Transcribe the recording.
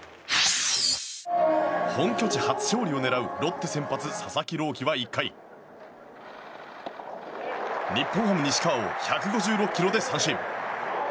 本拠地初勝利を狙うロッテ先発、佐々木朗希は１回日本ハム、西川を１５６キロで三振。